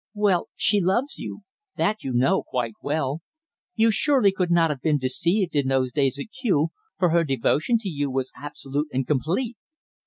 "Well, she loves you. That you know quite well. You surely could not have been deceived in those days at Kew, for her devotion to you was absolute and complete."